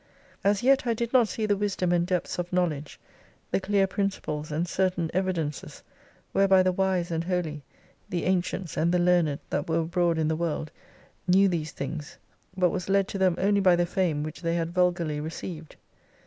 As yet I did not see the wisdom and depths of knowledge, the clear principles, and certain evidences whereby the wise and holy, the ancients and the learned that were abroad in the world knew these things but was led to them only by the fame which they had vulgarly received.